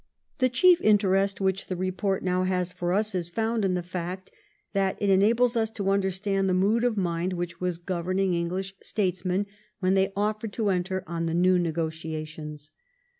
The chief interest which the report now has for us is found in the fact that it enables us to under stand the mood of mind which was governing English statesmen when they offered to enter on the new negotiations.